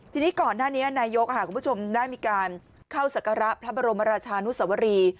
ทีนี้ก่อนหน้านี้นายกคุณผู้ชมได้มีการเข้าศักระพระบรมราชานุสวรี